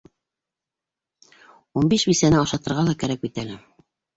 Ул биш бисәне ашатырға ла кәрәк бит әле.